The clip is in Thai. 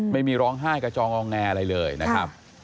ไม่มีร้องไห้กระจองงองแงอะไรเลยนะครับ